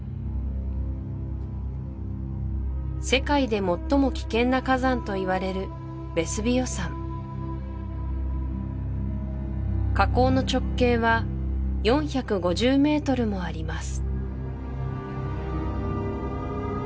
世界で最も危険な火山といわれるヴェスヴィオ山火口の直径は４５０ｍもあります